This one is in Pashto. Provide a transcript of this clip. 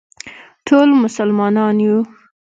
ټول مسلمانان یو